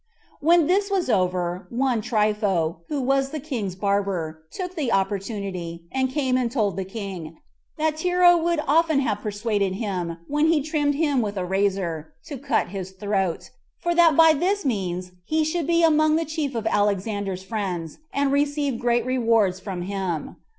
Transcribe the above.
6. When this was over, one Trypho, who was the king's barber, took the opportunity, and came and told the king, that Tero would often have persuaded him, when he trimmed him with a razor, to cut his throat, for that by this means he should be among the chief of Alexander's friends, and receive great rewards from him.